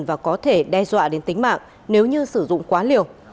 và có thể đe dọa đến tính mạng nếu như sử dụng quá liều